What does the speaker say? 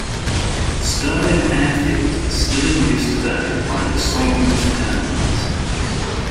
Stirling airfield is still in use today by the Solomons Airlines.